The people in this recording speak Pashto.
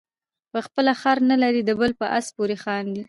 په خپله خر نلري د بل په آس پورې خاندي.